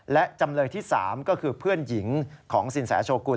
และจำเลยที่๓ก็คือเพื่อนหญิงของสินแสโชกุล